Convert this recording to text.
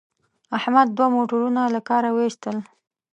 احمد دوه موټرونه له کاره و ایستل.